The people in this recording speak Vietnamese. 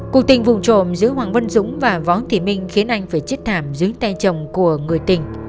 cuộc tình vùng trộm giữa hoàng vân dũng và võ thị minh khiến anh phải chết thảm dưới tay chồng của người tình